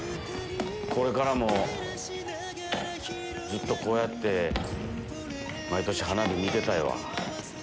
これからもずっとこうやって毎年花火見てたいわ。